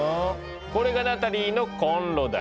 これがナタリーのコンロだ。